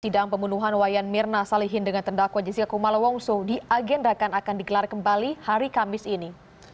sidang pembunuhan wayan mirna salihin dengan terdakwa jessica kumala wongso diagendakan akan digelar kembali hari kamis ini